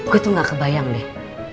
gue tuh gak kebayang deh